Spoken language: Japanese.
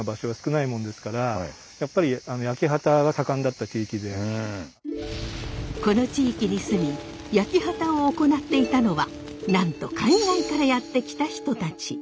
この地域に住み焼畑を行っていたのはなんと海外からやって来た人たち。